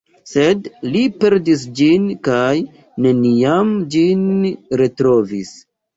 Sed li perdis ĝin kaj neniam ĝin retrovis.